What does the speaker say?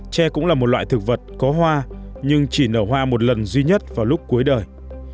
tre cũng là một loại thực vật có hoa nhưng chỉ nở hoa một lần duy nhất vào lúc cuối đời